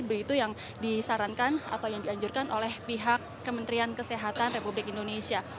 begitu yang disarankan atau yang dianjurkan oleh pihak kementerian kesehatan republik indonesia